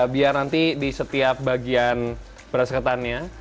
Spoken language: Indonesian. biar nanti di setiap bagian beras ketannya